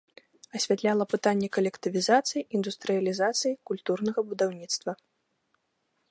Асвятляла пытанні калектывізацыі, індустрыялізацыі, культурнага будаўніцтва.